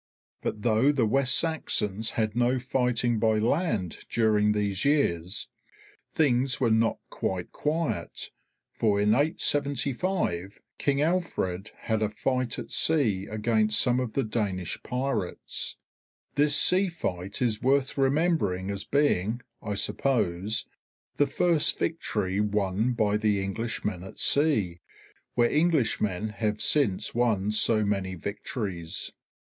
But though the West Saxons had no fighting by land during these years, things were not quite quiet, for in 875 King Alfred had a fight at sea against some of the Danish pirates. This sea fight is worth remembering as being, I suppose, the first victory won by the Englishmen at sea, where Englishmen have since won so many victories.